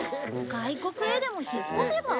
外国へでも引っ越せば？